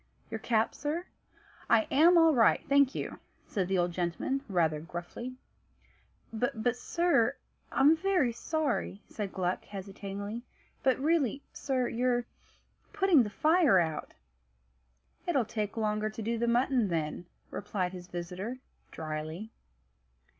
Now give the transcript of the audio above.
"Your cap, sir?" "I am all right, thank you," said the old gentleman rather gruffly. "But sir I'm very sorry," said Gluck, hesitatingly; "but really, sir you're putting the fire out." "It'll take longer to do the mutton, then," replied his visitor dryly.